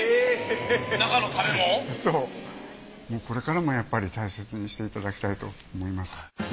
これからもやっぱり大切にしていただきたいと思います。